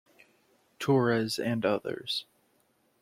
Torres and others.